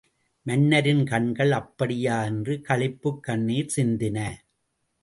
மன்னரின் கண்கள் அப்படியா! என்று களிப்புக் கண்ணீர் சிந்தின!...